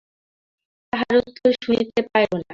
তাহার উত্তর শুনিতে পাইল না।